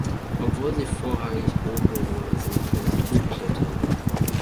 Obwohl sie vorrangig Bodenbewohner sind, können sie gut klettern.